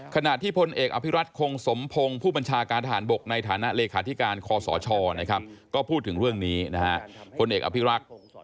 ขณะที่พลเอกอภิรัตคงสมพงศ์ผู้บัญชาการทหารบกในฐานะเลขาธิการคอสชก็พูดถึงเรื่องนี้นะฮะพลเอกอภิรักษ์